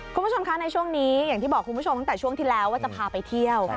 คุณผู้ชมคะในช่วงนี้อย่างที่บอกคุณผู้ชมตั้งแต่ช่วงที่แล้วว่าจะพาไปเที่ยว